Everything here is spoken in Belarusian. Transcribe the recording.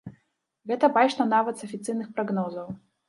Гэта бачна нават з афіцыйных прагнозаў.